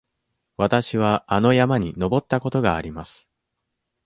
わたしはあの山に登ったことがあります。